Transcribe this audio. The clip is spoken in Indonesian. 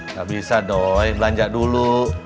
gak bisa dong belanja dulu